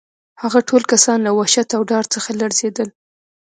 هغه ټول کسان له وحشت او ډار څخه لړزېدل